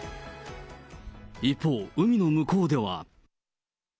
一方、海の向こうでは。